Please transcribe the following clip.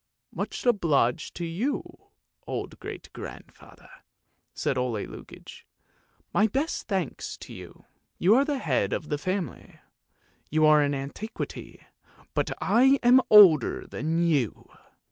" Much obliged to you, old great grandfather," said Ole Lukoie. "My best thanks to you; you are the head of the family; you are an antiquity, but I am older than you!